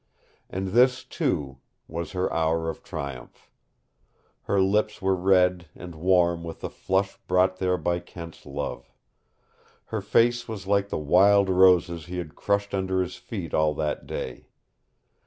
And this, too, was her hour of triumph. Her lips were red and warm with the flush brought there by Kent's love. Her face was like the wild roses he had crushed under his feet all that day.